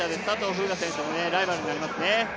風雅選手のライバルになりますね。